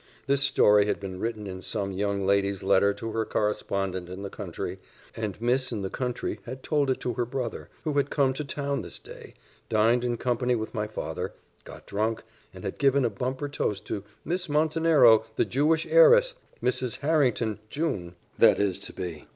This story had been written in some young lady's letter to her correspondent in the country, and miss in the country had told it to her brother, who had come to town this day, dined in company with my father, got drunk, and had given a bumper toast to "Miss Montenero, the Jewish heiress _Mrs. Harrington, jun. that is to be!